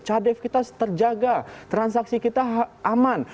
cadef kita terjaga transaksi kita aman